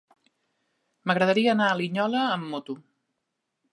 M'agradaria anar a Linyola amb moto.